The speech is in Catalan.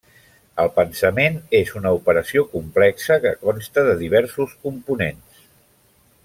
El pensament és una operació complexa que consta de diversos components.